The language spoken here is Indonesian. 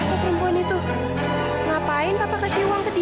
siapa perempuan itu ngapain papa kasih uang ke dia